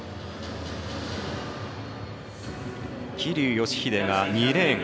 桐生祥秀が２レーン。